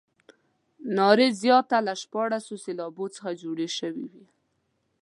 نارې زیاتره له شپاړسو سېلابونو څخه جوړې شوې.